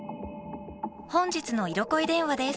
本日の色恋電話です。